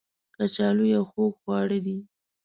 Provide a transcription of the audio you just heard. کچالو یو خوږ خواړه دی